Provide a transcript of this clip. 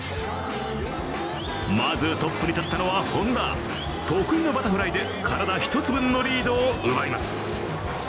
まずトップに立ったのは本多、得意のバタフライで体１つ分のリードを奪います。